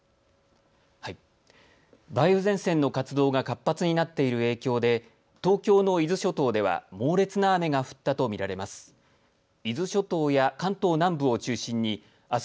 梅雨前線の活動が活発になっている影響で東京の伊豆諸島では猛烈な雨が降ったとみられます。